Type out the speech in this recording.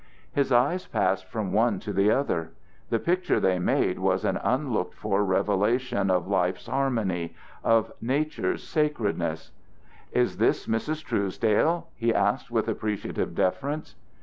His eyes passed from one to the other: the picture they made was an unlooked for revelation of life's harmony, of nature's sacredness. "Is this Mrs. Truesdale?" he asked with appreciative deference.